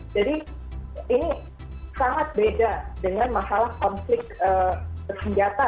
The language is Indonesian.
jadi ini sangat beda dengan masalah konflik bersenjata